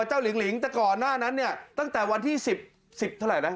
เจ๊ตุ้ยกิ่งแก้วแซ่งงคร